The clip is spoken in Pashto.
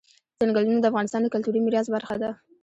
ځنګلونه د افغانستان د کلتوري میراث برخه ده.